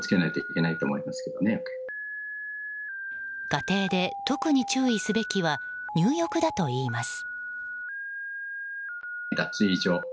家庭で特に注意すべきは入浴だといいます。